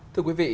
thưa quý vị